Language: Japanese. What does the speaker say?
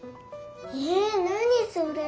え何それ？